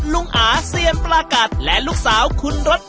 อาเซียนปลากัดและลูกสาวคุณรถ